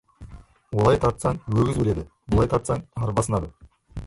Олай тартсаң, өгіз өледі, бұлай тартсаң, арба сынады.